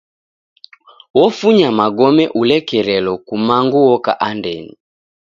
Ofunya magome ulekerelo kumangu oka andenyi.